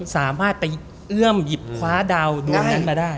สามารถไปเอื้อมหยิบคว้าดาวดวงนั้นมาได้